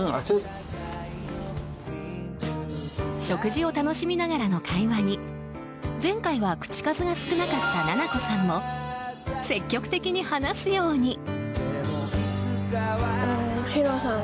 食事を楽しみながらの会話に前回は口数が少なかったななこさんも積極的に話すように。